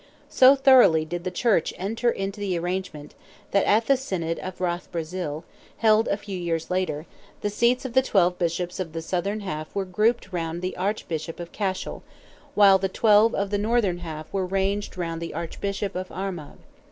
So thoroughly did the Church enter into the arrangement, that, at the Synod of Rath Brazil, held a few years later, the seats of the twelve Bishops of the southern half were grouped round the Archbishop of Cashel, while the twelve of the northern half were ranged round the Archbishop of Armagh.